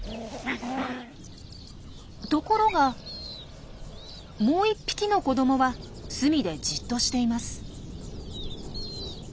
ところがもう１匹の子どもは隅でじっとしています。